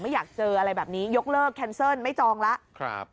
อยากเจออะไรแบบนี้ยกเลิกแคนเซิลไม่จองแล้ว